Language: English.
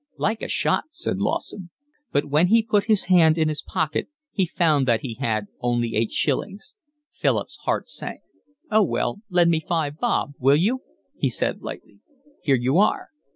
"Like a shot," said Lawson. But when he put his hand in his pocket he found that he had only eight shillings. Philip's heart sank. "Oh well, lend me five bob, will you?" he said lightly. "Here you are."